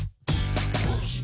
「どうして？